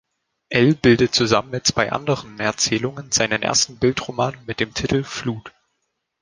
"L" bildete zusammen mit zwei anderen Erzählungen seinen ersten Bildroman mit dem Titel "Flut!